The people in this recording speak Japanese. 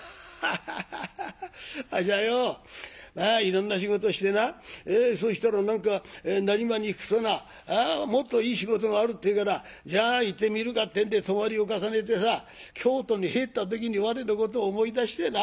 「ハッハハハハハあっしはよまあいろんな仕事してなそしたら何か浪速に行くとなもっといい仕事があるってえからじゃあ行ってみるかってんで泊まりを重ねてさ京都に入った時に我のことを思い出してな。